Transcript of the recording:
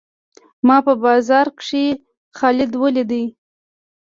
ما په بازار کښي خالد وليدئ.